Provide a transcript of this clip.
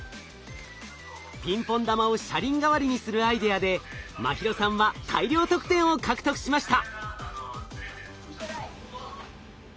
ピンポン玉を車輪代わりにするアイデアで茉尋さんは大量得点を獲得しました。